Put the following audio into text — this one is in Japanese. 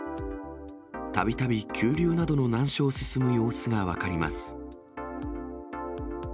たびたび急流などの難所を進む様子が分かります。